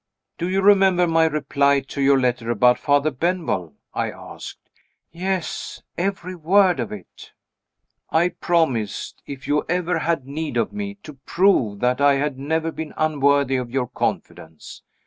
"Do you remember my reply to your letter about Father Benwell?" I asked. "Yes every word of it." "I promised, if you ever had need of me, to prove that I had never been unworthy of your confidence.